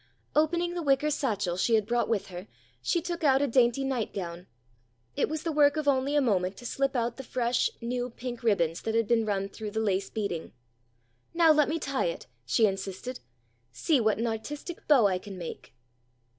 Opening the wicker satchel she had brought with her she took out a dainty nightgown. It was the work of only a moment to slip out the fresh, new pink ribbons that had been run through the lace beading. "Now let me tie it!" she insisted. "See what an artistic bow I can make!"